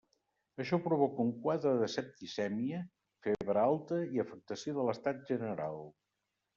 Això provoca un quadre de septicèmia: febre alta i afectació de l'estat general.